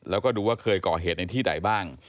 แล้วก็ดูว่าเคยก่อเหตุในที่ไหนบ้าง